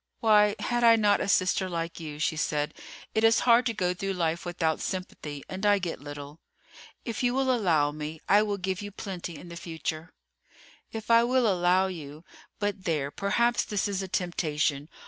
"Why had I not a sister like you?" she said. "It is hard to go through life without sympathy, and I get little." "If you will allow me, I will give you plenty in the future." "If I will allow you! But there, perhaps this is a temptation.